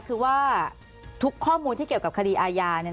คือว่าทุกข้อมูลที่เกี่ยวกับคดีอาญา